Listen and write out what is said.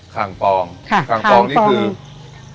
คางปองคางปองนี่คือ